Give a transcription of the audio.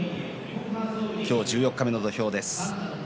今日、十四日目の土俵です。